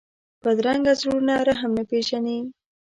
بدرنګه زړونه رحم نه پېژني